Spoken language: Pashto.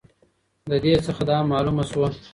د دې څخه دا معلومه سوه